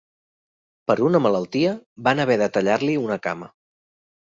Per una malaltia, van haver de tallar-li una cama.